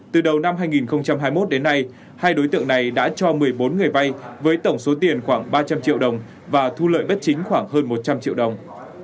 từ đầu năm hai nghìn hai mươi một đến nay hai đối tượng này đã cho một mươi bốn người vay với tổng số tiền khoảng ba trăm linh triệu đồng và thu lợi bất chính khoảng hơn một trăm linh triệu đồng